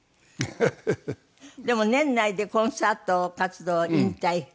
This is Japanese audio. でも年内でコンサート活動引退。